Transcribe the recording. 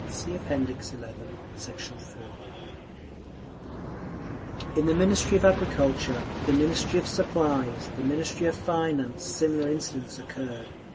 (See App. XI, Sect. 4) In the Ministry of Agriculture, the Ministry of Supplies, the Ministry of Finance, similar incidents occurred.